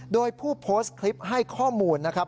โดยผู้โพสต์คลิปให้ข้อมูลนะครับ